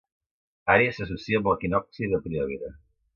Àries s'associa amb l'equinocci de primavera.